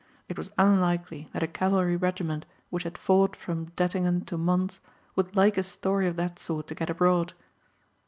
It was unlikely that a cavalry regiment which had fought from Dettingen to Mons would like a story of that sort to get abroad.